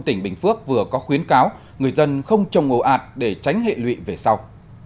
tỉnh bình phước vừa có khuyến cáo người dân không trồng ồ ạt để tránh hệ lụy về sau